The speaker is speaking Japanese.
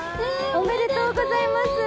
おめでとうございます。